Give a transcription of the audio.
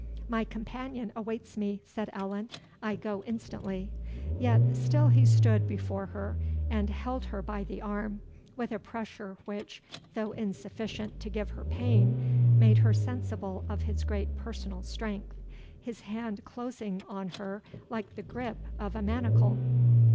"My companion awaits me," said Allan; "I go instantly." Yet still he stood before her, and held her by the arm, with a pressure which, though insufficient to give her pain, made her sensible of his great personal strength, his hand closing on her like the gripe of a manacle.